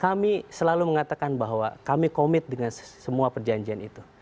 kami selalu mengatakan bahwa kami komit dengan semua perjanjian itu